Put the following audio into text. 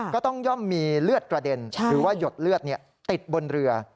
ก็ต้องย่อมมีเลือดกระเด็นหรือว่าหยดเลือดติดบนเรือ